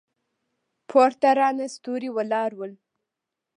پورته راڼه ستوري ولاړ ول.